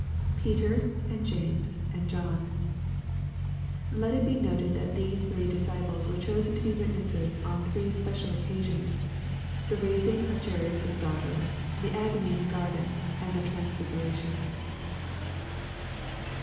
[Peter J and James, and John.'] Let it be noted that these threo disciples were chosen to be witnesses on three special occasions, the raising of J aims* daughter, the agony in the garden, and the transfiguration.